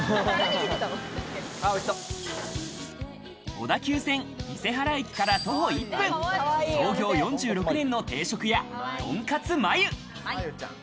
小田急線・伊勢原駅から徒歩１分、創業４６年の定食屋とんかつ麻釉。